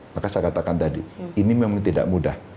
maka saya katakan tadi ini memang tidak mudah